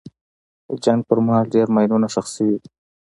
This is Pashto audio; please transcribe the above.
د جنګ پر مهال ډېر ماینونه ښخ شوي دي.